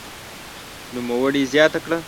نوموړي زياته کړه